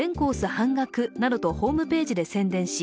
半額などとホームページで宣伝し、